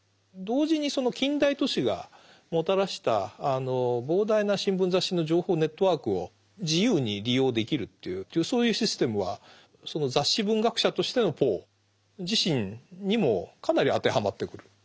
同時にその近代都市がもたらした膨大な新聞雑誌の情報ネットワークを自由に利用できるというそういうシステムはその雑誌文学者としてのポー自身にもかなり当てはまってくる。